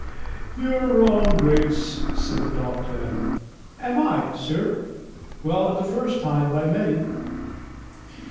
"You're wrong, Griggs," said the doctor. "Am I, sir? Well, not the first time by many."